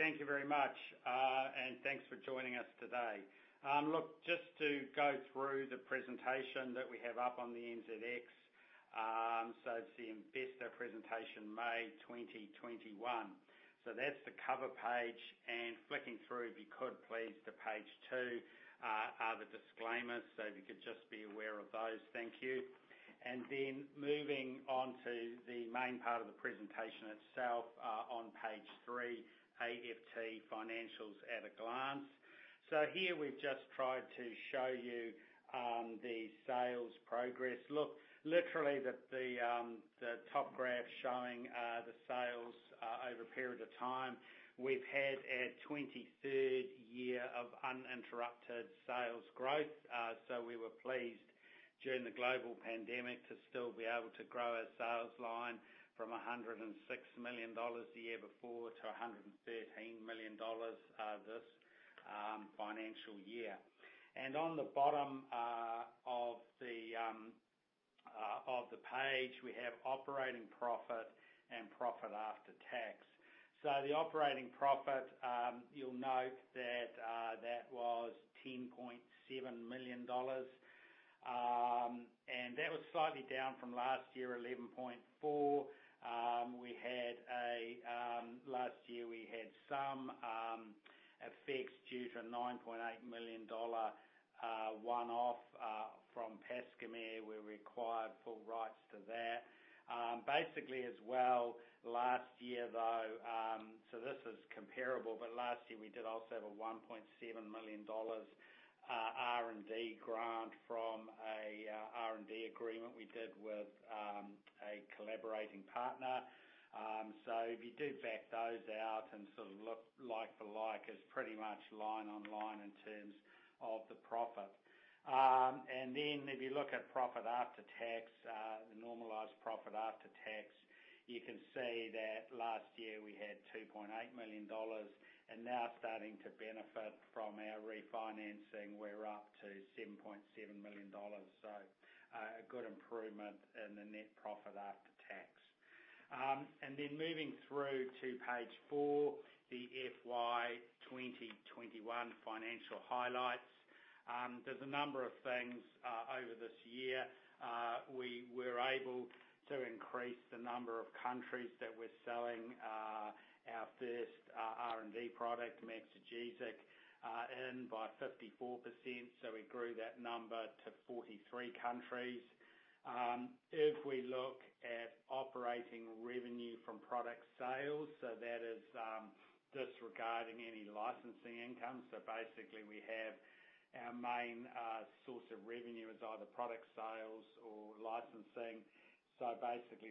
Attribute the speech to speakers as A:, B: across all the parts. A: Thank you very much, and thanks for joining us today. Just to go through the presentation that we have up on the NZX. It's the Investor Presentation May 2021. That's the cover page, and flicking through, if you could please, to page two, are the disclaimers. If you could just be aware of those. Thank you. Moving on to the main part of the presentation itself, on page three, AFT Financials at a Glance. Here we've just tried to show you the sales progress. Literally, the top graph showing the sales over a period of time. We've had our 23rd year of uninterrupted sales growth. We were pleased during the global pandemic to still be able to grow our sales line from 106 million dollars the year before to 113 million dollars this financial year. On the bottom of the page, we have operating profit and profit after tax. The operating profit, you'll note that was 10.7 million dollars, and that was slightly down from last year, 11.4 million. Last year, we had some effects due to NZD 9.8 million one-off from Pascomer where we acquired full rights to that. Last year, though, last year we did also have an 1.7 million R&D grant from an R&D agreement we did with a collaborating partner. If you do back those out and look like for like, it's pretty much line on line in terms of the profit. If you look at profit after tax, the normalized profit after tax, you can see that last year we had 2.8 million dollars, and now starting to benefit from our refinancing, we're up to 7.7 million dollars. A good improvement in the net profit after tax. Moving through to page four, the FY 2021 financial highlights. There's a number of things, over this year, we were able to increase the number of countries that we're selling our first R&D product, Maxigesic, in by 54%, so we grew that number to 43 countries. If we look at operating revenue from product sales, that is disregarding any licensing income. We have our main source of revenue is either product sales or licensing.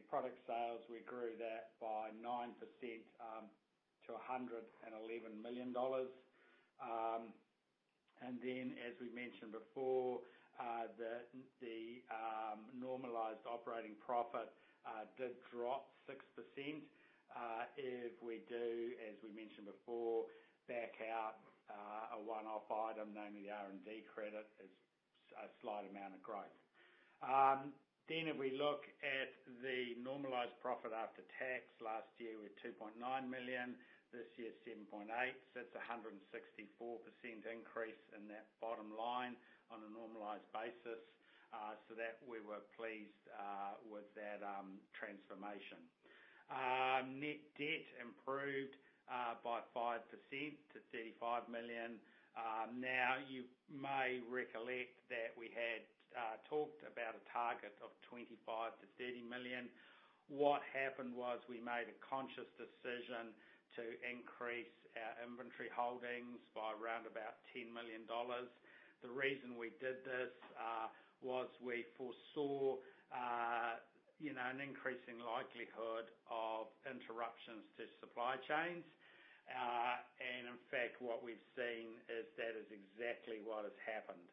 A: Product sales, we grew that by 9% to 111 million dollars. As we mentioned before, the normalized operating profit did drop 6%. If we do, as we mentioned before, back out a one-off item, namely R&D credit, there's a slight amount of growth. If we look at the normalized profit after tax, last year we were 2.9 million, this year 7.8 million, so it's 164% increase in that bottom line on a normalized basis. That we were pleased with that transformation. Net debt improved by 5% to 35 million. Now, you may recollect that we had talked about a target of 25 million-30 million. What happened was we made a conscious decision to increase our inventory holdings by around about 10 million dollars. The reason we did this was we foresaw an increasing likelihood of interruptions to supply chains. In fact, what we've seen is that is exactly what has happened.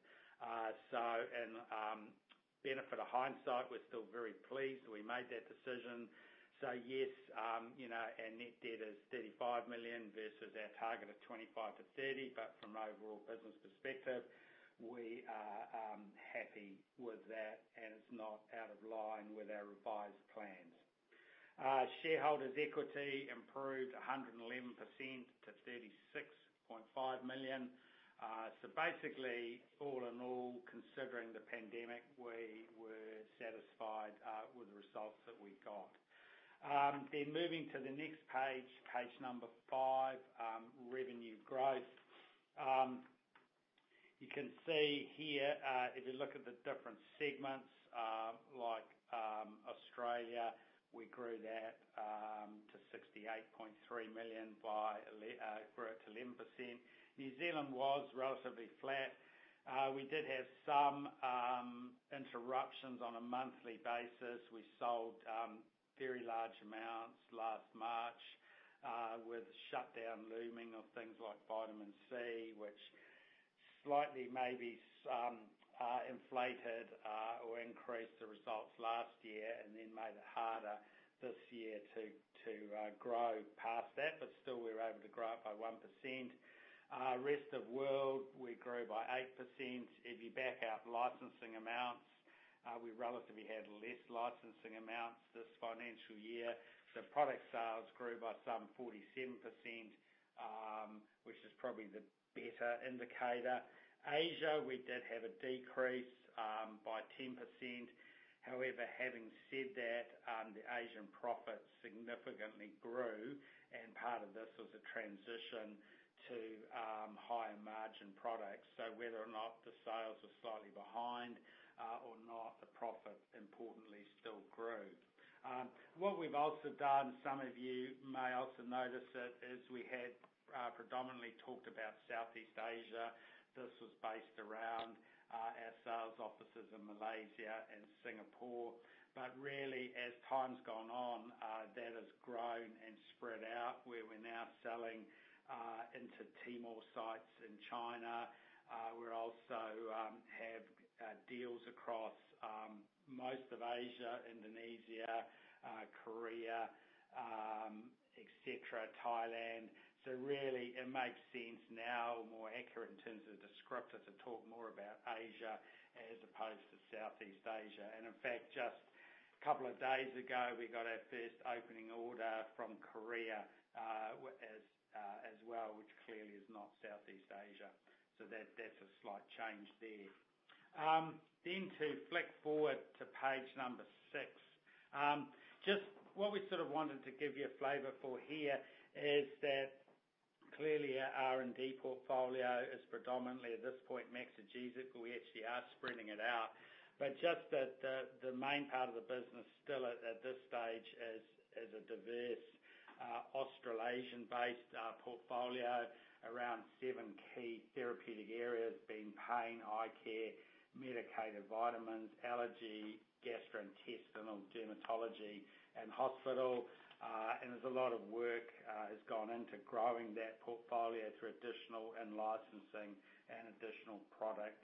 A: In benefit of hindsight, we're still very pleased we made that decision. Yes, our net debt is 35 million versus our target of 25 million-30 million, from an overall business perspective, we are happy with that and it's not out of line with our revised plans. Shareholders' equity improved 111% to 36.5 million. Basically, all in all, considering the pandemic, we were satisfied with the results that we got. Moving to the next page number five, revenue growth. You can see here, if you look at the different segments, like Australia, we grew that to 68.3 million, grew it to 11%. New Zealand was relatively flat. We did have some interruptions on a monthly basis. We sold very large amounts last March, with the shutdown looming of things like vitamin C, which slightly maybe inflated or increased the results last year and then made it harder this year to grow past that, but still we were able to grow it by 1%. Rest of world, we grew by 8%. If you back out licensing amounts. We relatively had less licensing amounts this financial year. Product sales grew by some 47%, which is probably the better indicator. Asia, we did have a decrease by 10%. However, having said that, the Asian profit significantly grew, and part of this was a transition to higher margin products. Whether or not the sales are slightly behind or not, the profit importantly still grew. What we've also done, some of you may also notice it, is we had predominantly talked about Southeast Asia. This was based around our sales offices in Malaysia and Singapore. Really, as time's gone on, that has grown and spread out where we're now selling into Tmall sites in China. We also have deals across most of Asia, Indonesia, Korea, et cetera, Thailand. Really, it makes sense now, or more accurate in terms of descriptors, to talk more about Asia as opposed to Southeast Asia. In fact, just a couple of days ago, we got our first opening order from Korea, as well, which clearly is not Southeast Asia. That's a slight change there. To flick forward to page number six. Just what we sort of wanted to give you a flavor for here is that clearly our R&D portfolio is predominantly at this point Maxigesic, but we actually are spreading it out. Just the main part of the business still at this stage is a diverse Australasian-based portfolio around seven key therapeutic areas, being pain, eye care, medicated vitamins, allergy, gastrointestinal, dermatology, and hospital. There's a lot of work has gone into growing that portfolio through additional in-licensing and additional product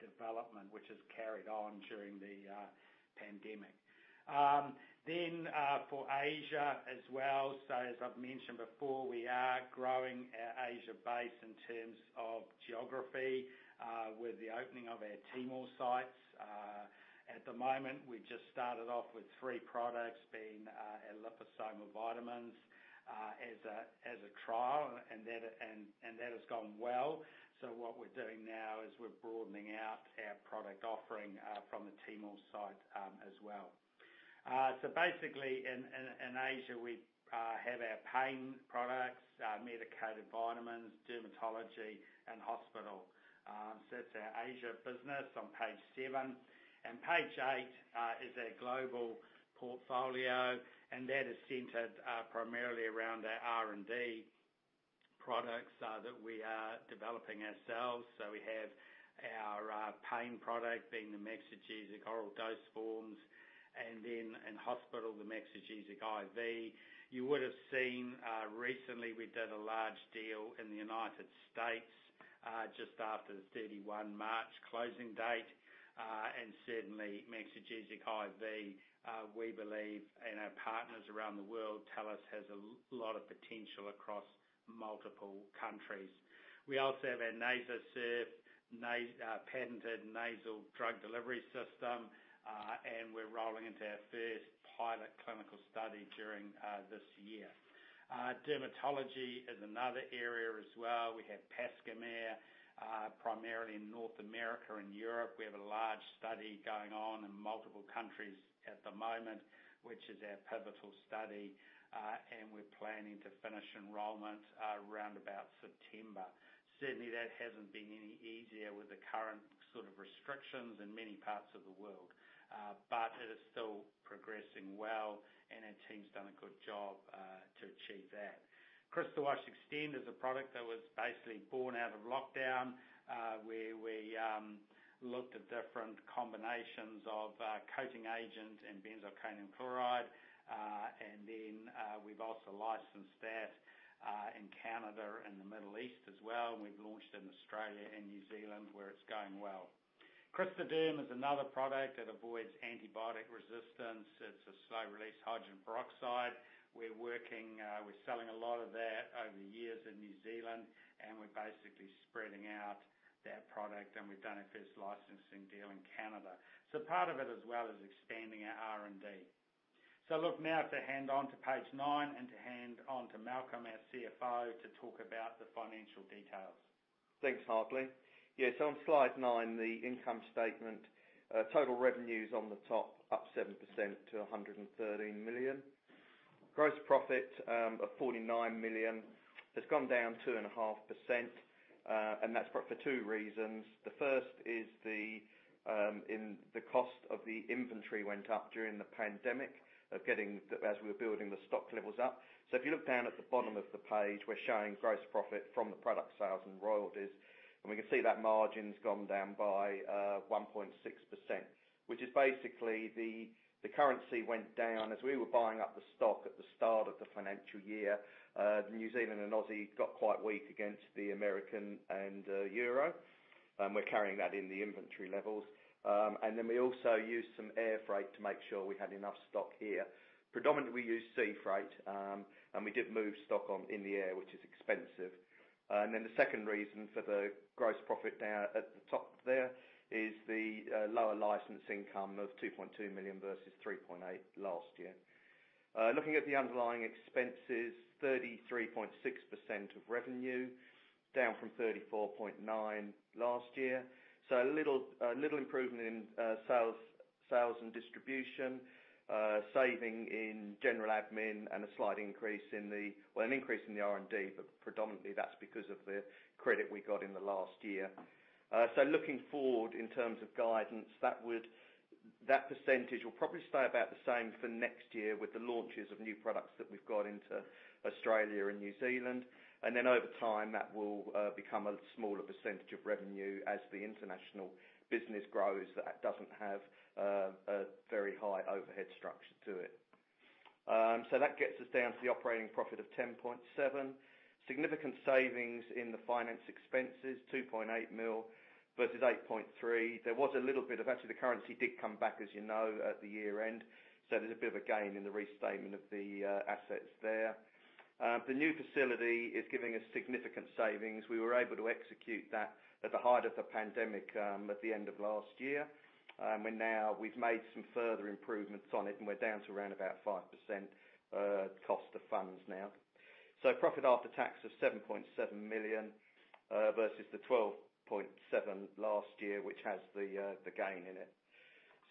A: development, which has carried on during the pandemic. For Asia as well, so as I've mentioned before, we are growing our Asia base in terms of geography with the opening of our Tmall sites. At the moment, we just started off with three products, being our liposomal vitamins as a trial, and that has gone well. What we're doing now is we're broadening out our product offering from the Tmall site as well. Basically in Asia, we have our pain products, our medicated vitamins, dermatology, and hospital. That's our Asia business on page seven. Page eight is our global portfolio, and that is centered primarily around our R&D products that we are developing ourselves. We have our pain product being the Maxigesic oral dose forms, and then in hospital, the Maxigesic IV. You would have seen recently we did a large deal in the U.S. just after the 31 March closing date. Certainly Maxigesic IV, we believe, and our partners around the world tell us, has a lot of potential across multiple countries. We also have our NasoSURF, patented nasal drug delivery system, and we're rolling into our first pilot clinical study during this year. Dermatology is another area as well. We have Pascomer primarily in North America and Europe. We have a large study going on in multiple countries at the moment, which is our pivotal study, and we're planning to finish enrollment around about September. Certainly, that hasn't been any easier with the current sort of restrictions in many parts of the world. It is still progressing well, and our team's done a good job to achieve that. Crystawash Extend is a product that was basically born out of lockdown, where we looked at different combinations of coating agent and benzalkonium chloride. We've also licensed that in Canada and the Middle East as well, and we've launched in Australia and New Zealand, where it's going well. Crystaderm is another product that avoids antibiotic resistance. It's a slow-release hydrogen peroxide. We're selling a lot of that over years in New Zealand, and we're basically spreading out that product, and we've done our first licensing deal in Canada. Part of it as well is expanding our R&D. Look now to hand on to page nine and to hand on to Malcolm, our CFO, to talk about the financial details.
B: Thanks, Hartley. Yes, on slide nine, the income statement. Total revenue is on the top, up 7% to 113 million. Gross profit of 49 million has gone down 2.5%, and that's for two reasons. The first is the cost of the inventory went up during the pandemic as we were building the stock levels up. If you look down at the bottom of the page, we're showing gross profit from the product sales and royalties, and we can see that margin's gone down by 1.6%, which is basically the currency went down. We were buying up the stock at the start of the financial year, the New Zealand and Aussie got quite weak against the American and euro, and we're carrying that in the inventory levels. We also used some air freight to make sure we had enough stock here. Predominantly, we use sea freight, and we did move stock on in the air, which is expensive. The second reason for the gross profit down at the top there is the lower license income of 2.2 million versus 3.8 million last year. Looking at the underlying expenses, 33.6% of revenue, down from 34.9% last year. A little improvement in sales and distribution, saving in general admin and an increase in the R&D, but predominantly that's because of the credit we got in the last year. Looking forward in terms of guidance, that percentage will probably stay about the same for next year with the launches of new products that we've got into Australia and New Zealand. Over time, that will become a smaller percentage of revenue as the international business grows. That doesn't have a very high overhead structure to it. That gets us down to the operating profit of 10.7 million. Significant savings in the finance expenses, 2.8 million versus 8.3 million. There was a little bit of it. The currency did come back, as you know, at the year-end, so there's a bit of a gain in the restatement of the assets there. The new facility is giving us significant savings. We were able to execute that at the height of the pandemic at the end of last year. Now we've made some further improvements on it, and we're down to around about 5% cost of funds now. Profit after tax of 7.7 million versus the 12.7 million last year, which has the gain in it.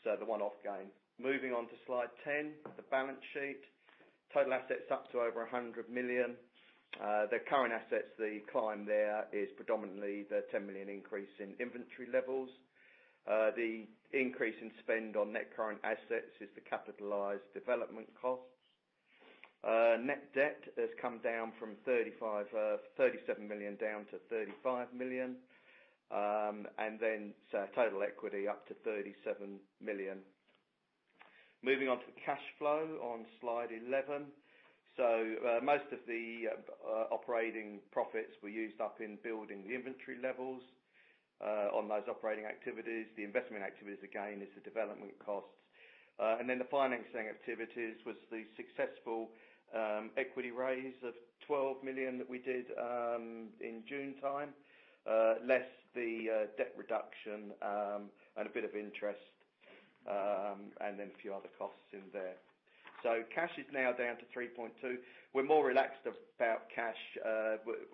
B: The one-off gain. Moving on to slide 10, the balance sheet. Total assets up to over 100 million. The current assets, the climb there is predominantly the 10 million increase in inventory levels. The increase in spend on net current assets is the capitalized development costs. Net debt has come down from 37 million down to 35 million. Total equity up to 37 million. Moving on to cash flow on slide 11. Most of the operating profits were used up in building the inventory levels on those operating activities. The investment activities, again, is the development costs. The financing activities was the successful equity raise of 12 million that we did in June time, less the debt reduction, and a bit of interest, and then a few other costs in there. Cash is now down to 3.2 million. We're more relaxed about cash.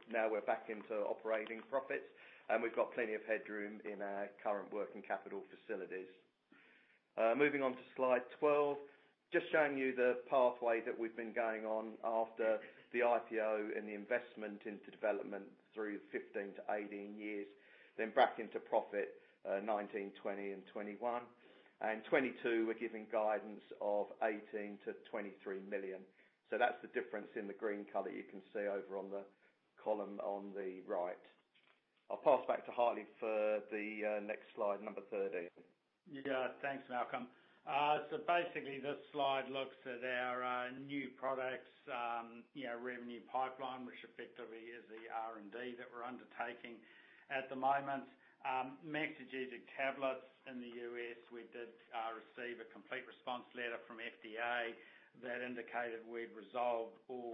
B: Now we're back into operating profits, and we've got plenty of headroom in our current working capital facilities. Moving on to slide 12. Showing you the pathway that we've been going on after the IPO and the investment into development through 2015 to 2018 years. Back into profit, 2019, 2020, 2021, and 2022, we're giving guidance of 18 million-23 million. That's the difference in the green color you can see over on the column on the right. I'll pass back to Hartley for the next slide number 13.
A: Yeah, thanks, Malcolm. Basically, this slide looks at our new products, revenue pipeline, which effectively is the R&D that we're undertaking at the moment. Maxigesic tablets in the U.S., we did receive a Complete Response Letter from FDA that indicated we'd resolved all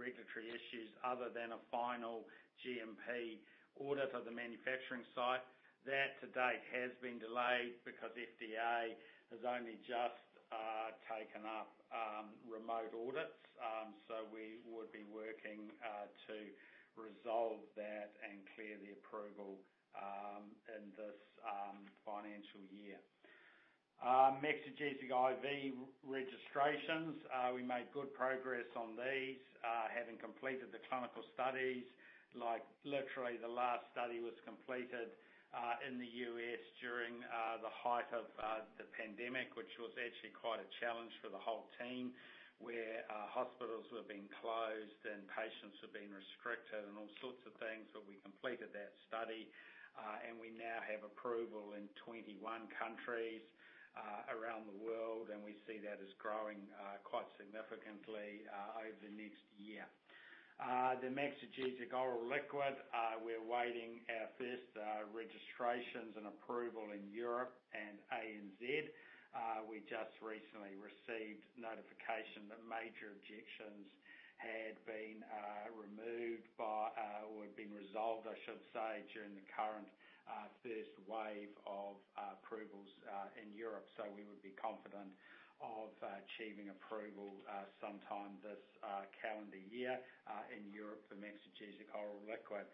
A: regulatory issues other than a final GMP audit of the manufacturing site. That to date has been delayed because FDA has only just taken up remote audits. We would be working to resolve that and clear the approval in this financial year. Maxigesic IV registrations, we made good progress on these, having completed the clinical studies, like literally the last study was completed in the U.S. during the height of the pandemic, which was actually quite a challenge for the whole team, where hospitals were being closed and patients were being restricted and all sorts of things. We completed that study, and we now have approval in 21 countries around the world, and we see that as growing quite significantly over the next year. The Maxigesic Oral Liquid, we're awaiting our first registrations and approval in Europe and ANZ. We just recently received notification that major objections had been removed by or have been resolved, I should say, during the current first wave of approvals in Europe. We would be confident of achieving approval sometime this calendar year in Europe for Maxigesic Oral Liquid.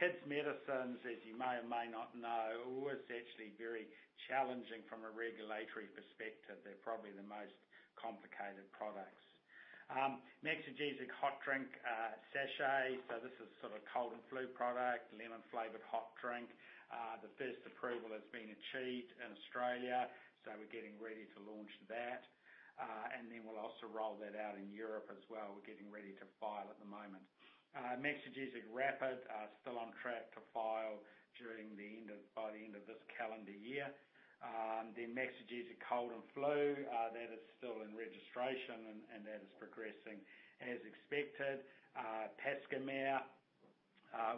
A: Kids medicines, as you may or may not know, it's actually very challenging from a regulatory perspective. They're probably the most complicated products. Maxigesic Hot Drink sachet, so this is sort of cold and flu product, lemon-flavored hot drink. The first approval has been achieved in Australia, so we're getting ready to launch that. We'll also roll that out in Europe as well. We're getting ready to file at the moment. Maxigesic Rapid, still on track to file by the end of this calendar year. Maxigesic Cold & Flu, that is still in registration and that is progressing as expected. Pascomer.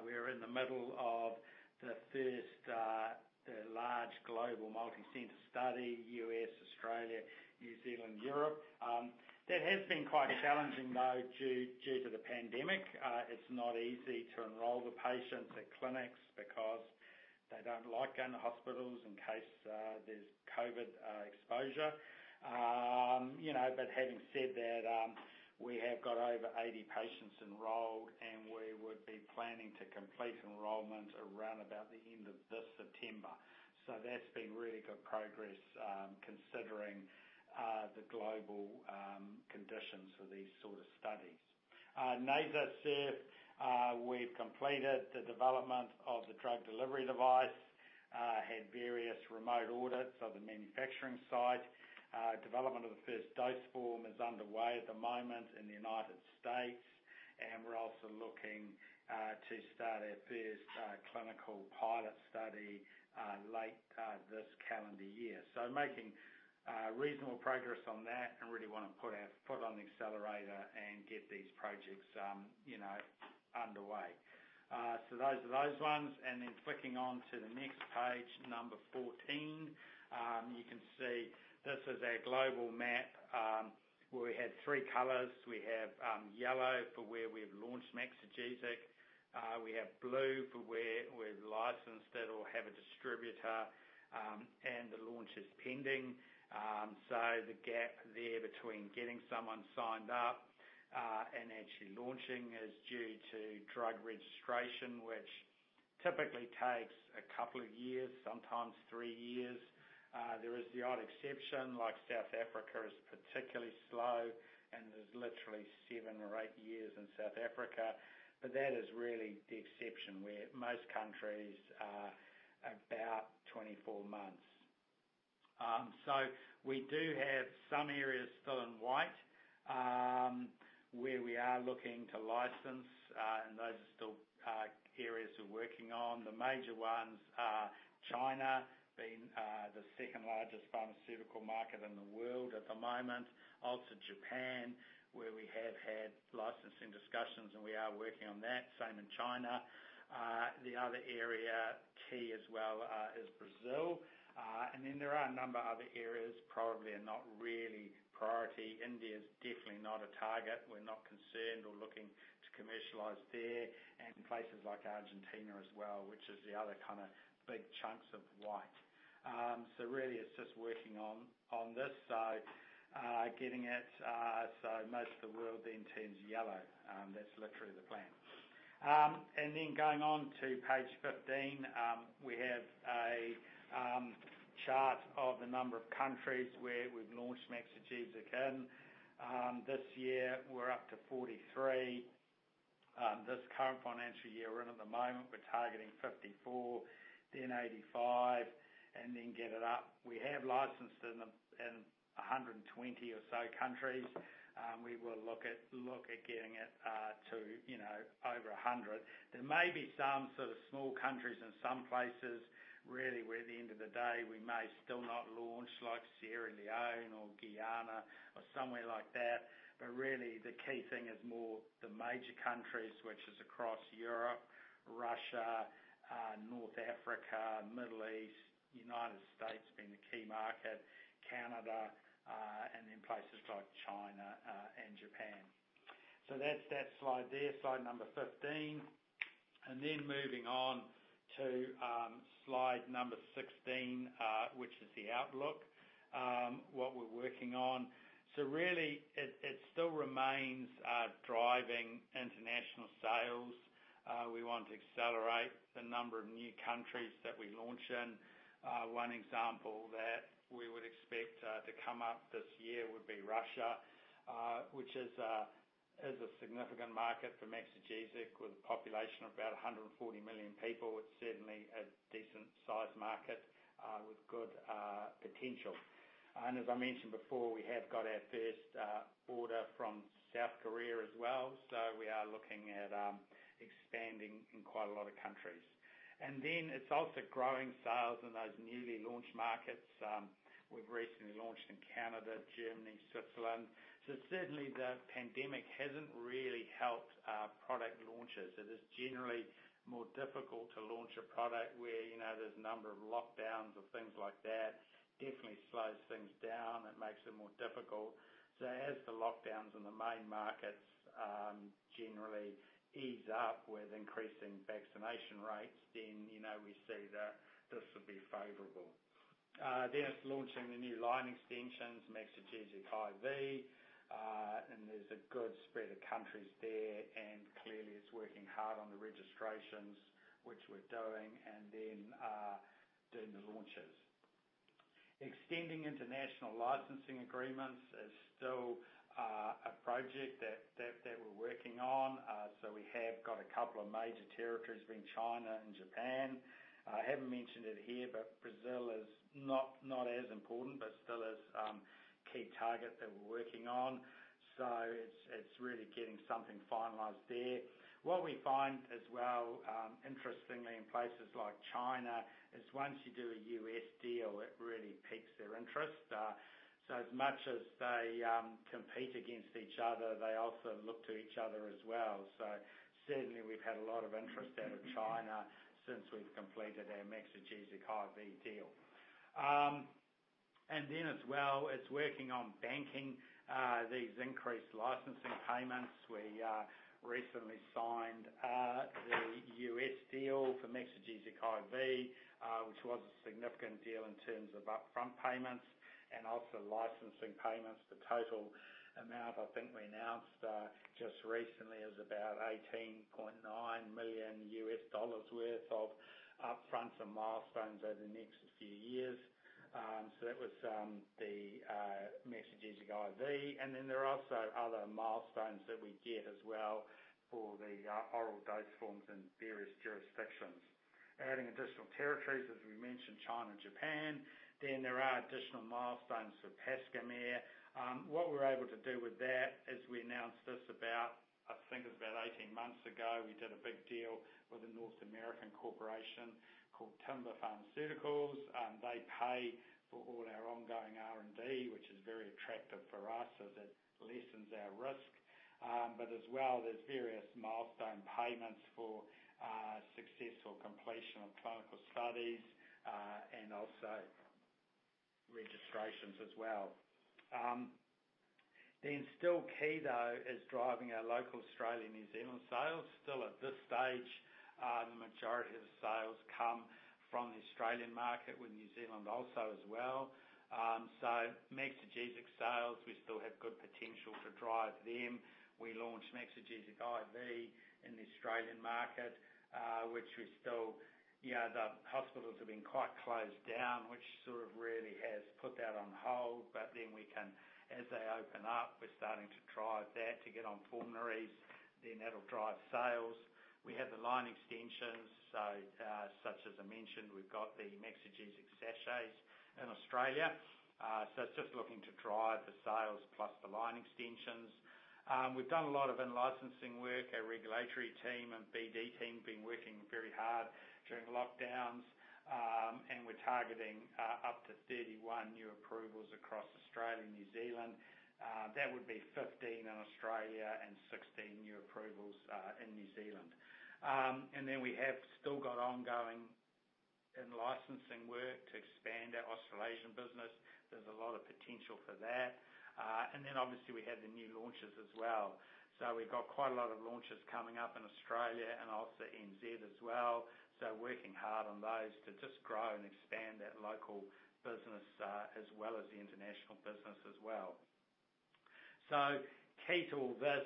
A: We're in the middle of the first large global multicenter study, U.S., Australia, New Zealand, Europe. That has been quite challenging, though, due to the pandemic. It's not easy to enroll the patients at clinics because they don't like going to hospitals in case there's COVID exposure. Having said that, we have got over 80 patients enrolled, and we would be planning to complete enrollment around about the end of this September. That's been really good progress, considering the global conditions for these sort of studies. NasoSURF, we've completed the development of the drug delivery device, had various remote audits of the manufacturing site. Development of the first dose form is underway at the moment in the United States, and we're also looking to start our first clinical pilot study late this calendar year. Making reasonable progress on that and really want to put our foot on the accelerator and get these projects underway. Those are those ones. Flicking on to the next page, number 14, you can see this is our global map, where we have three colors. We have yellow for where we've launched Maxigesic. We have blue for where we've licensed it or have a distributor, and the launch is pending. The gap there between getting someone signed up and actually launching is due to drug registration, which typically takes a couple of years, sometimes three years. There is the odd exception, like South Africa is particularly slow, and there's literally seven or eight years in South Africa, but that is really the exception, where most countries are about 24 months. We do have some areas still in white, where we are looking to license, and those are still areas we're working on. The major ones are China, being the second largest pharmaceutical market in the world at the moment. Also Japan, where we have had licensing discussions, and we are working on that, same in China. The other area, key as well, is Brazil. There are a number of other areas probably are not really priority. India is definitely not a target. We're not concerned or looking to commercialize there, and places like Argentina as well, which is the other kind of big chunks of white. Really it's just working on this, so most of the world then turns yellow. That's literally the plan. Then going on to page 15, we have a chart of the number of countries where we've launched Maxigesic in. This year, we're up to 43. This current financial year we're in at the moment, we're targeting 54, then 85, and then get it up. We have licensed in 120 or so countries. We will look at getting it to over 100. There may be some sort of small countries in some places, really, where at the end of the day, we may still not launch, like Sierra Leone or Guyana or somewhere like that. Really, the key thing is more the major countries, which is across Europe, Russia, North Africa, Middle East, United States being a key market, Canada, and then places like China and Japan. That's that slide there, slide number 15. Moving on to slide number 16, which is the outlook, what we're working on. Really, it still remains driving international sales. We want to accelerate the number of new countries that we launch in. One example that we would expect to come up this year would be Russia, which is a significant market for Maxigesic. With a population of about 140 million people, it's certainly a decent-sized market with good potential. As I mentioned before, we have got our first order from South Korea as well, so we are looking at expanding in quite a lot of countries. It's also growing sales in those newly launched markets. We've recently launched in Canada, Germany, Switzerland. Certainly, the pandemic hasn't really helped product launches. It is generally more difficult to launch a product where there's a number of lockdowns or things like that. Definitely slows things down and makes it more difficult. As the lockdowns in the main markets generally ease up with increasing vaccination rates, then we see that this would be favorable. It's launching the new line extensions, Maxigesic IV, and there's a good spread of countries there, and clearly it's working hard on the registrations, which we're doing, and then doing the launches. Extending international licensing agreements is still a project that we're working on. We have got a couple of major territories being China and Japan. I haven't mentioned it here, but Brazil is not as important, but still is a key target that we're working on. It's really getting something finalized there. What we find as well. Interestingly, in places like China, is once you do a U.S. deal, it really piques their interest. As much as they compete against each other, they also look to each other as well. Certainly we've had a lot of interest out of China since we've completed our Maxigesic IV deal. As well is working on banking these increased licensing payments. We recently signed the U.S. deal for Maxigesic IV, which was a significant deal in terms of upfront payments and also licensing payments. The total amount, I think we announced just recently, is about $18.9 million worth of upfront and milestones over the next few years. That was the Maxigesic IV. There are also other milestones that we get as well for the oral dose forms in various jurisdictions. Adding additional territories, as we mentioned, China and Japan. There are additional milestones for Pascomer. What we're able to do with that is we announced this about, I think it was about 18 months ago, we did a big deal with a North American corporation called Timber Pharmaceuticals. They pay for all our ongoing R&D, which is very attractive for us as it lessens our risk. As well, there's various milestone payments for successful completion of clinical studies, and also registrations as well. Still key though is driving our local Australia, New Zealand sales. Still at this stage, the majority of the sales come from the Australian market with New Zealand also as well. Maxigesic sales, we still have good potential to drive them. We launched Maxigesic IV in the Australian market, which we're still, the hospitals have been quite closed down, which sort of really has put that on hold. As they open up, we're starting to drive that to get on formularies, then that'll drive sales. We have the line extensions, such as I mentioned, we've got the Maxigesic sachets in Australia. It's just looking to drive the sales plus the line extensions. We've done a lot of in-licensing work. Our regulatory team and BD team have been working very hard during lockdowns. We're targeting up to 31 new approvals across Australia, New Zealand. That would be 15 in Australia and 16 new approvals in New Zealand. We have still got ongoing in-licensing work to expand our Australasian business. There's a lot of potential for that. Obviously we have the new launches as well. We've got quite a lot of launches coming up in Australia and also NZ as well. Working hard on those to just grow and expand that local business, as well as the international business as well. Key to all this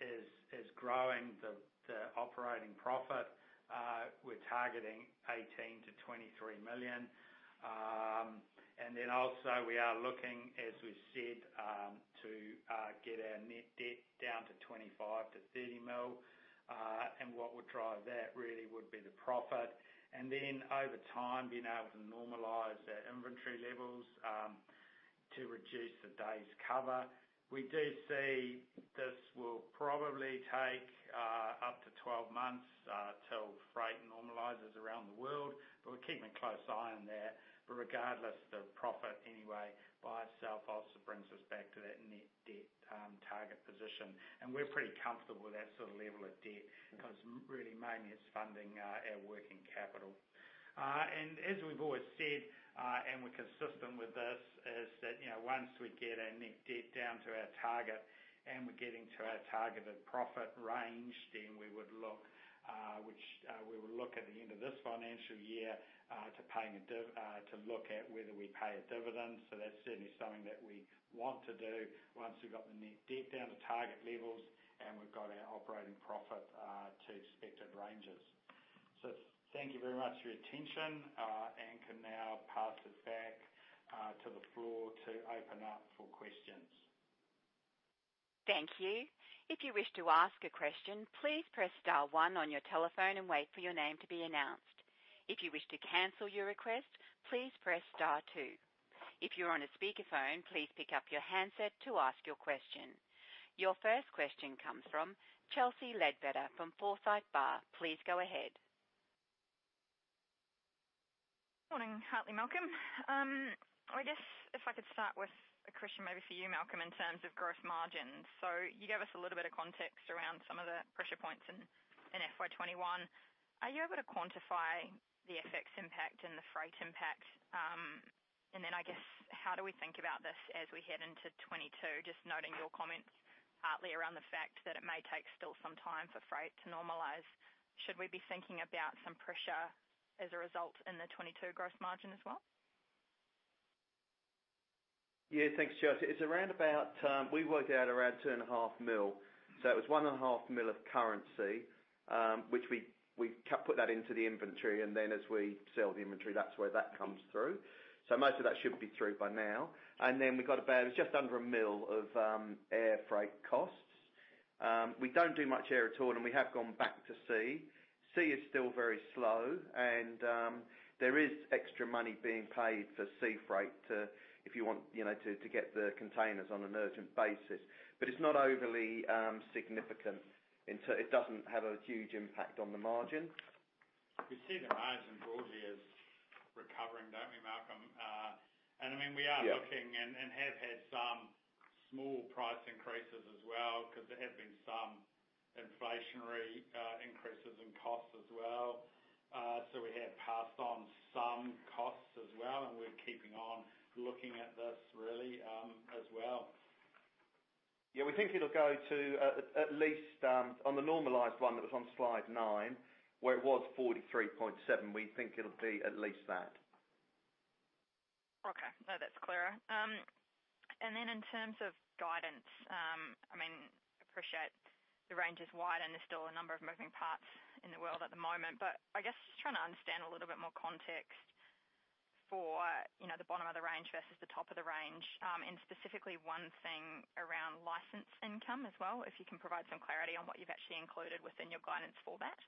A: is growing the operating profit. We're targeting 18 million-23 million. Also we are looking, as we've said, to get our net debt down to 25 million-30 million. What would drive that really would be the profit. Over time, being able to normalize our inventory levels, to reduce the days cover. We do see this will probably take up to 12 months till freight normalizes around the world. We're keeping a close eye on that. Regardless, the profit anyway by itself also brings us back to that net debt target position. We're pretty comfortable with that sort of level of debt because really mainly it's funding our working capital. As we've always said, and we're consistent with this, is that once we get our net debt down to our target and we're getting to our targeted profit range, we would look at the end of this financial year to look at whether we pay a dividend. That's certainly something that we want to do once we've got the net debt down to target levels and we've got our operating profit to expected ranges. Thank you very much for your attention, and can now pass it back to the floor to open up for questions.
C: Thank you. If you wish to ask a question, please press star one on your telephone and wait for your name to be announced. If you wish to cancel your request, please press star two. If you're on a speaker phone, please pick up your handset to ask your question. Your first question comes from Chelsea Leadbetter from Forsyth Barr. Please go ahead.
D: Morning, Hartley, Malcolm. I guess if I could start with a question maybe for you, Malcolm, in terms of gross margins. You gave us a little bit of context around some of the pressure points in FY 2021. Are you able to quantify the FX impact and the freight impact? Then I guess how do we think about this as we head into FY 2022? Just noting your comments, Hartley, around the fact that it may take still some time for freight to normalize. Should we be thinking about some pressure as a result in the FY 2022 gross margin as well?
B: Yeah, thanks, Chelsea. It's around about, we worked out around 2.5 million. It was 1.5 million of currency, which we put that into the inventory, as we sell the inventory, that's where that comes through. Most of that should be through by now. We've got about just under mil of air freight costs. We don't do much air at all, and we have gone back to sea. Sea is still very slow, and there is extra money being paid for sea freight if you want to get the containers on an urgent basis. It's not overly significant. It doesn't have a huge impact on the margin.
A: We see the margins broadly as recovering, don't we, Malcolm?
B: Yeah.
A: We are looking and have had some small price increases as well, because there have been some inflationary increases in costs as well. We have passed on some costs as well, and we're keeping on looking at this really as well.
B: Yeah. We think it'll go to at least, on the normalized one that was on slide nine, where it was 43.7, we think it'll be at least that.
D: Okay. No, that's clearer. Then in terms of guidance, I appreciate the range is wide and there's still a number of moving parts in the world at the moment, but I just trying to understand a little bit more context for the bottom of the range versus the top of the range. Specifically one thing around licensed income as well, if you can provide some clarity on what you've actually included within your guidance for that.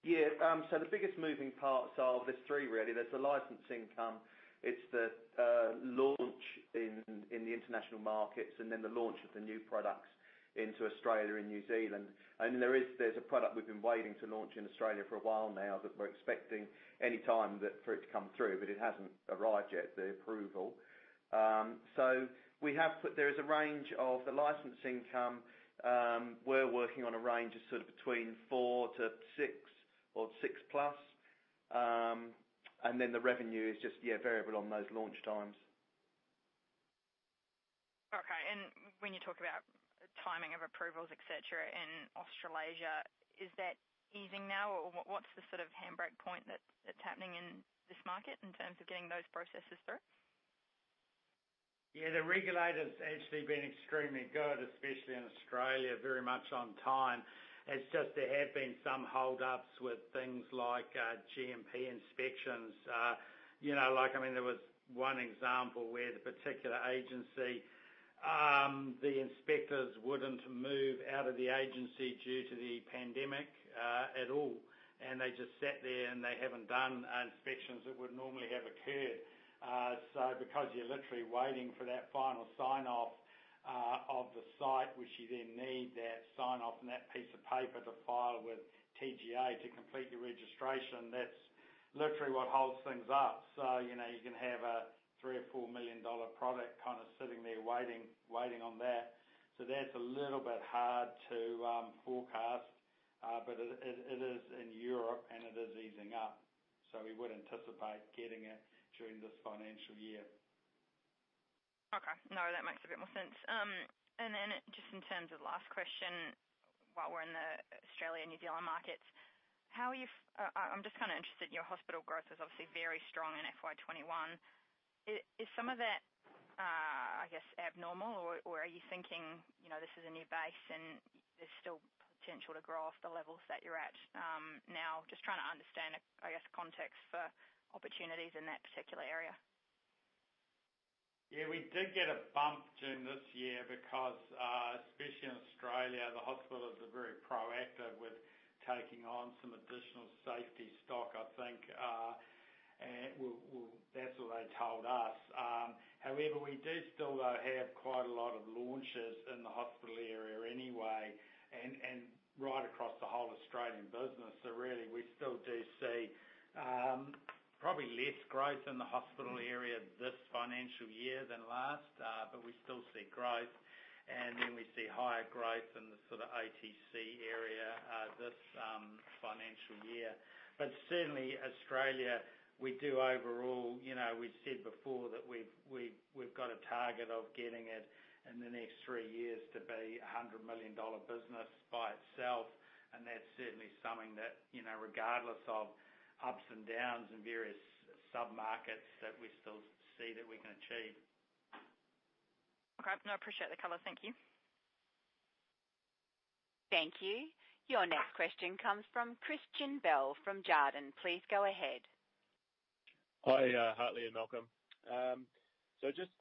B: Yeah. The biggest moving parts are, there's three really. There's the license income, it's the launch in the international markets, the launch of the new products into Australia and New Zealand. There's a product we've been waiting to launch in Australia for a while now that we're expecting anytime for it to come through, it hasn't arrived yet, the approval. There is a range of the license income. We're working on a range that's between four-six or six plus. The revenue is just variable on those launch times.
D: Okay. When you talk about timing of approvals, et cetera, in Australasia, is that easing now? Or what's the sort of handbrake point that's happening in this market in terms of getting those processes through?
A: Yeah. The regulator's actually been extremely good, especially in Australia, very much on time. It is just there have been some hold-ups with things like GMP inspections. There was one example where the particular agency, the inspectors wouldn't move out of the agency due to the pandemic, at all. They just sat there, and they haven't done inspections that would normally have occurred. Because you are literally waiting for that final sign-off of the site, which you then need that sign-off and that piece of paper to file with TGA to complete the registration, that is literally what holds things up. You can have a 3 million or 4 million dollar product kind of sitting there waiting on that. That is a little bit hard to forecast. It is in Europe, and it is easing up. We would anticipate getting it during this financial year.
D: Okay. No, that makes a bit more sense. Then just in terms of last question, while we're in the Australia-New Zealand markets, I'm just kind of interested in your hospital growth is obviously very strong in FY 2021. Is some of that I guess abnormal or are you thinking this is a new base and there's still potential to grow off the levels that you're at now? Just trying to understand, I guess, context for opportunities in that particular area.
A: Yeah, we did get a bump during this year because, especially in Australia, the hospitals are very proactive with taking on some additional safety stock, I think. Well, that's what they told us. However, we do still have quite a lot of launches in the hospital area anyway and right across the whole Australian business. Really we still do see probably less growth in the hospital area this financial year than last, but we still see growth, and then we see higher growth in the sort of OTC area this financial year. Certainly Australia, we do overall, we've said before that we've got a target of getting it in the next three years to be 100 million dollar business by itself. That's certainly something that, regardless of ups and downs in various sub-markets, that we still see that we can achieve.
D: Okay. No, I appreciate the color. Thank you.
C: Thank you. Your next question comes from Christian Bell from Jarden. Please go ahead.
E: Hi, Hartley and Malcolm. Just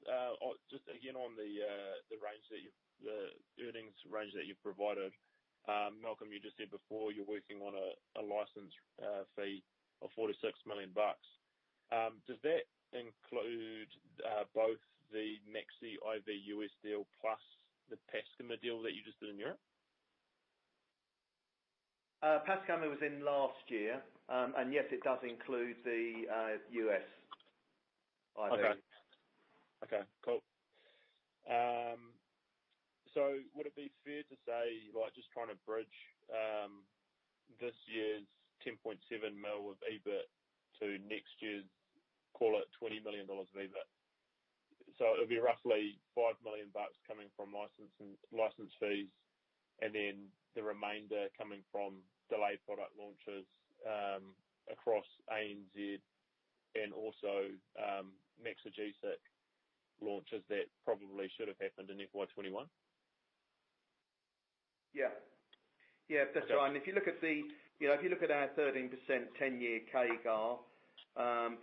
E: again on the earnings range that you've provided. Malcolm, you just said before you're working on a license fee of 4 million-6 million bucks. Does that include both the Maxigesic IV U.S. deal plus the Pascomer deal that you just did in Europe?
B: Pascomer was in last year. Yes, it does include the U.S. IV.
E: Okay. Cool. Would it be fair to say, just trying to bridge this year's 10.7 million of EBIT to next year's, call it 20 million dollars of EBIT. It'd be roughly 5 million bucks coming from license fees, the remainder coming from delayed product launches across ANZ and also Maxigesic launches that probably should have happened in FY 2021?
B: Yeah. That's right. If you look at our 13% 10-year CAGR,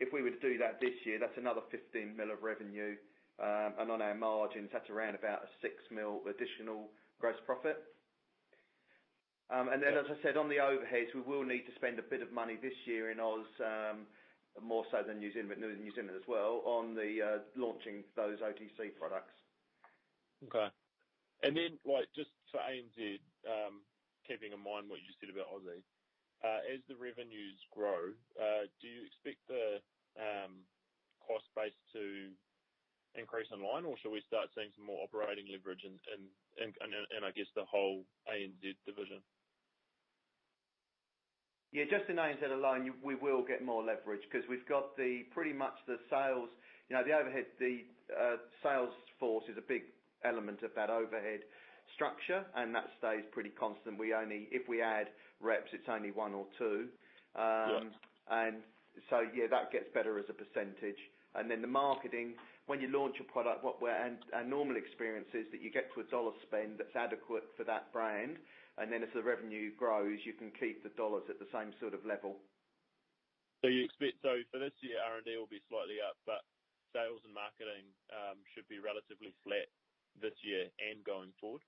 B: if we were to do that this year, that's another 15 million of revenue. On our margins, that's around about 6 million additional gross profit. Then as I said, on the overheads, we will need to spend a bit of money this year in Aus, more so than New Zealand, but New Zealand as well, on launching those OTC products.
E: Okay. Just for ANZ, keeping in mind what you said about Aussie. As the revenues grow, do you expect the cost base to increase in line, or shall we start seeing some more operating leverage in the whole ANZ division?
B: Yeah, just in ANZ alone, we will get more leverage because we've got pretty much the sales. The overhead, the sales force is a big element of that overhead structure, and that stays pretty constant. If we add reps, it's only one or two.
E: Yeah.
B: Yeah, that gets better as a percentage. Then the marketing, when you launch a product, our normal experience is that you get to a NZD spend that's adequate for that brand, and then as the revenue grows, you can keep the NZD at the same sort of level.
E: You expect for this year, R&D will be slightly up, but sales and marketing should be relatively flat this year and going forward?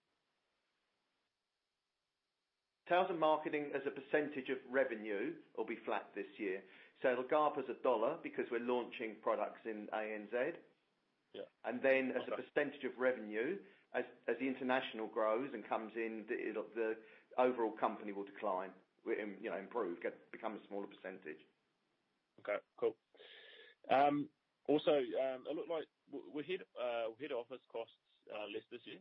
B: Sales and marketing as a percentage of revenue will be flat this year. It'll go up as a dollar because we're launching products in ANZ.
E: Yeah.
B: As a percentage of revenue, as the international grows and comes in, the overall company will decline, improve, become a smaller percentage.
E: Okay, cool. Also, it looked like we hit head office costs less this year.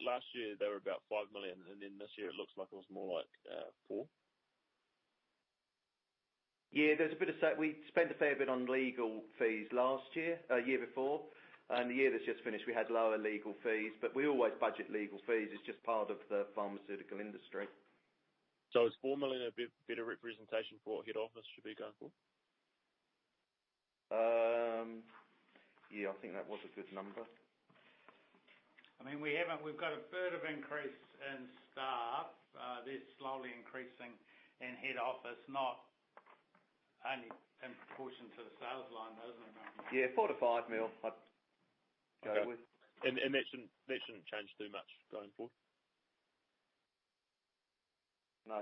E: Last year, they were about 5 million, this year it looks like it was more like 4 million.
B: Yeah, we spent a fair bit on legal fees last year, a year before, and the year that just finished, we had lower legal fees, but we always budget legal fees. It's just part of the pharmaceutical industry.
E: Is 4 million a better representation for head office should be going forward?
A: Yeah, I think that was a good number. I mean, we've got a third of increase in staff. They're slowly increasing in head office, not only in proportion to the sales line, isn't it?
B: Yeah, 4 million-5 million.
E: Okay. That shouldn't change too much going forward?
B: No.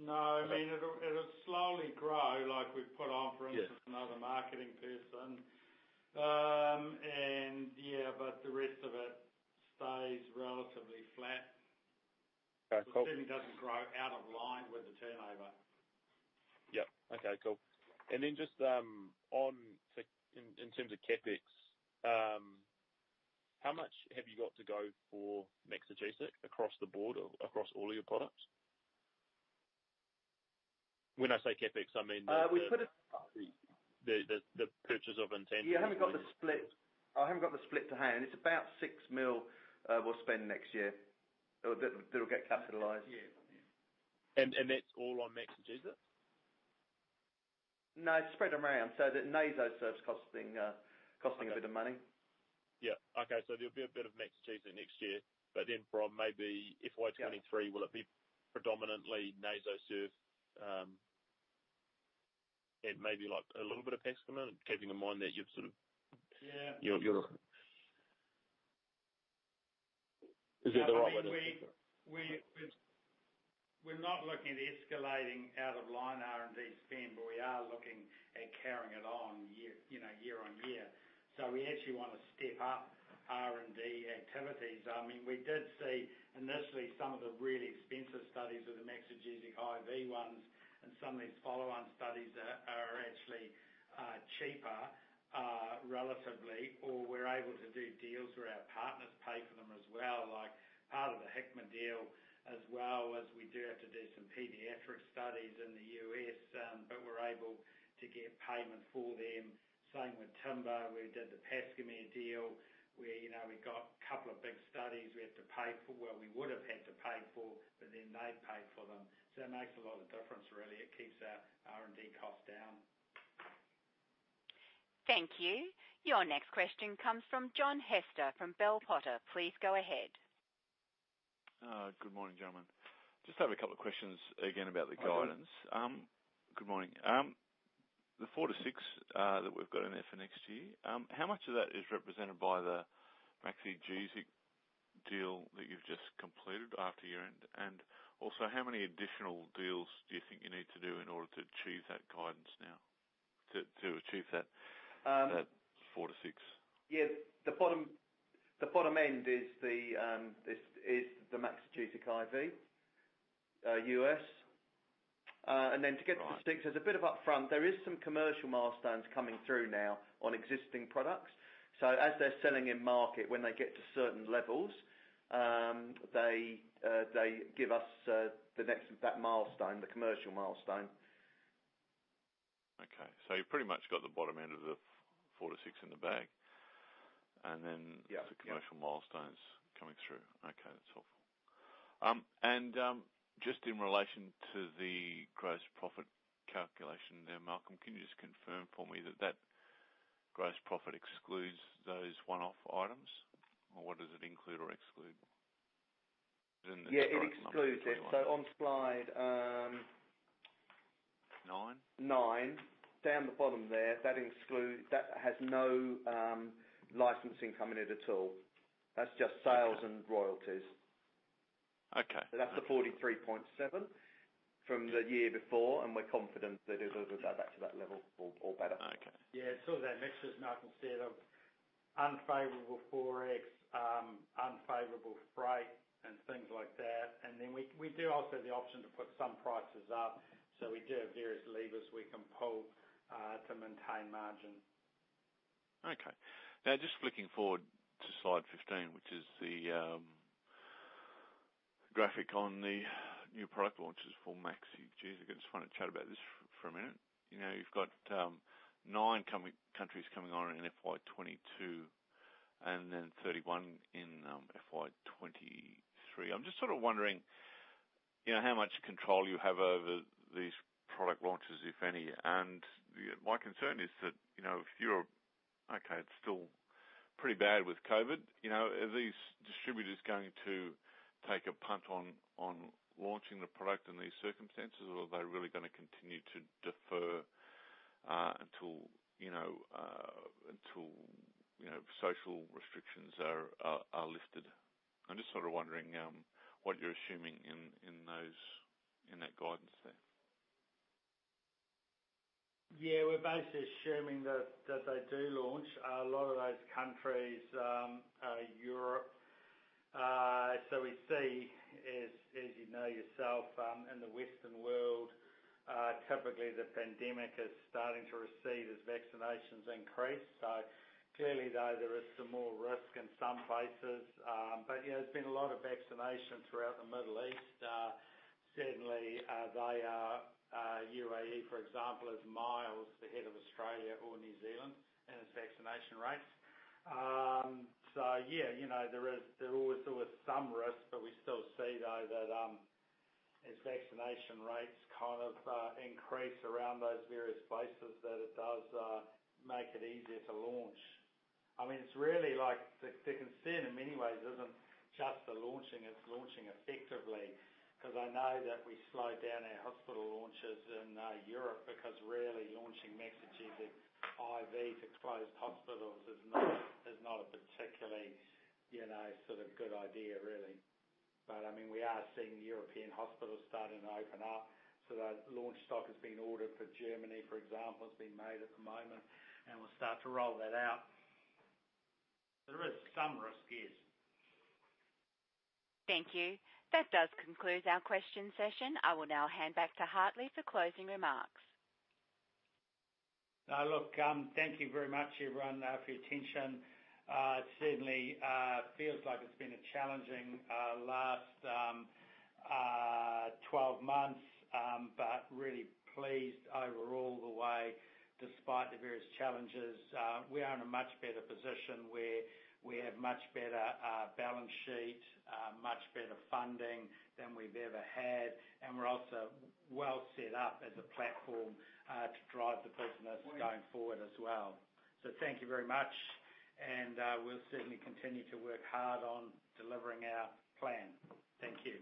A: No, I mean, it'll slowly grow like we put on, for instance, another marketing person. Yeah, but the rest of it stays relatively flat.
E: Okay, cool.
A: Certainly doesn't grow out of line with the turnover.
E: Yeah. Okay, cool. Just in terms of CapEx, how much have you got to go for Maxigesic across the board, across all your products? When I say CapEx, I mean the purchase of inventory.
B: Yeah, I haven't got the split at hand. It's about 6 million we'll spend next year. It'll get capitalized.
E: That's all on Maxigesic?
B: No, it's spread around. That NasoSURF's costing a bit of money.
E: Yeah. Okay, there'll be a bit of Maxigesic next year, from maybe FY 2023, will it be predominantly NasoSURF, and maybe a little bit of Pascomer, keeping in mind that you're sort of.
A: Yeah.
E: Is that the right way to think of it?
A: We're not looking at escalating out of line R&D spend, but we are looking at carrying it on year on year. We actually want to step up R&D activities. I mean, we did see initially some of the really expensive studies with the Maxigesic IV ones and some of these follow-on studies are actually cheaper, relatively, or we're able to do deals where our partners pay for them as well. Like part of the Hikma deal as well is we do have to do some pediatric studies in the U.S., but we're able to get payment for them. Same with Timber. We did the Pascomer deal where we got a couple of big studies we have to pay for, well, we would have had to pay for, but then they paid for them. It makes a lot of difference really. It keeps our R&D costs down.
C: Thank you. Your next question comes from John Hester from Bell Potter. Please go ahead.
F: Good morning, gentlemen. Just have a couple questions again about the guidance.
B: Good morning.
F: Good morning. The four to six that we've got in there for next year, how much of that is represented by the Maxigesic deal that you've just completed after year-end? How many additional deals do you think you need to do in order to achieve that guidance now, to achieve that four to six?
B: Yeah. The bottom end is the Maxigesic IV, U.S. To get to six, there's a bit upfront. There is some commercial milestones coming through now on existing products. As they're selling in market, when they get to certain levels, they give us the next milestone, the commercial milestone.
F: Okay. You pretty much got the bottom end of the four to six in the bag, and then the commercial milestones coming through. Okay, that's helpful. Just in relation to the gross profit calculation there, Malcolm, can you just confirm for me that that gross profit excludes those one-off items? Or what does it include or exclude? Is it in the current number?
B: Yeah, it excludes it.
F: Nine
B: Nine, down the bottom there, that has no licensing coming in at all. That's just sales and royalties.
F: Okay.
B: That's the 43.7 from the year before, and we're confident that it'll go back to that level or better.
F: Okay.
A: Yeah. That mix is not instead of unfavorable forex, unfavorable freight and things like that. Then we do also the option to put some prices up. We do have various levers we can pull to maintain margin.
F: Okay. Now just looking forward to slide 15, which is the graphic on the new product launches for Maxigesic. I just want to chat about this for a minute. You've got nine countries coming on in FY 2022 and then 31 in FY 2023. I'm just wondering, how much control you have over these product launches, if any? My concern is that, if Europe, okay, it's still pretty bad with COVID, are these distributors going to take a punt on launching the product in these circumstances? Are they really going to continue to defer until social restrictions are lifted? I'm just wondering what you're assuming in that guidance there.
A: Yeah. We're basically assuming that they do launch. A lot of those countries are Europe. We see, as you know yourself, in the Western world, typically the pandemic is starting to recede as vaccinations increase. Clearly, though, there is some more risk in some places. There's been a lot of vaccinations throughout the Middle East. Certainly, they are, UAE, for example, is miles ahead of Australia or New Zealand in its vaccination rates. Yeah, there always are some risks, but we still see, though, that as vaccination rates increase around those various places, that it does make it easier to launch. It's really like the concern in many ways isn't just the launching, it's launching effectively. I know that we slowed down our hospital launches in Europe because really launching Maxigesic IV into closed hospitals is not a particularly good idea, really. We are seeing European hospitals starting to open up. That launch stock that's been ordered for Germany, for example, is being made at the moment, and we'll start to roll that out. There is some risk, yes.
C: Thank you. That does conclude our question session. I will now hand back to Hartley for closing remarks.
A: No, look, thank you very much everyone for your attention. It certainly feels like it's been a challenging last 12 months. Really pleased overall the way, despite the various challenges, we are in a much better position where we have much better balance sheet, much better funding than we've ever had, and we're also well set up as a platform to drive the business going forward as well. Thank you very much, and we'll certainly continue to work hard on delivering our plan. Thank you.